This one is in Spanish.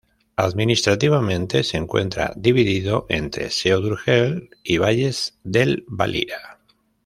Administrativamente se encuentra dividido entre Seo de Urgel y Valles del Valira.